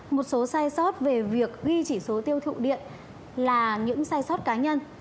một số sai sót về việc ghi chỉ số tiêu thụ điện là những sai sót cá nhân